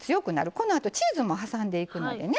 このあとチーズも挟んでいくのでね。